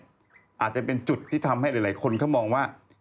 อาจจะเป็นจุดที่ทำให้หลายคนเขามองว่า